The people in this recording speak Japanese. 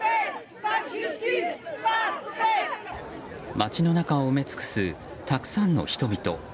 街の中を埋め尽くすたくさんの人々。